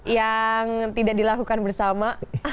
yang tidak dilakukan bersama